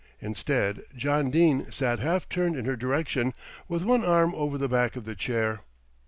Instead, John Dene sat half turned in her direction, with one arm over the back of the chair.